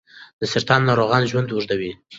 د سرطان ناروغانو ژوند اوږدوي.